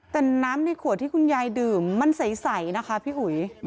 แต่น้ำในขวดที่คุณยายดื่มมันใสนะคะพี่อุ๋ย